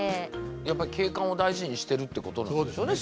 やっぱり景観を大事にしてるってことなんでしょうね